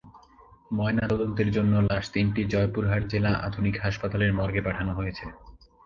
ময়না তদন্তের জন্য লাশ তিনটি জয়পুরহাট জেলা আধুনিক হাসপাতালের মর্গে পাঠানো হয়েছে।